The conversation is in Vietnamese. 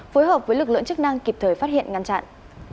phối hợp với lực lượng chức năng kịp thời phát hiện ngăn chặn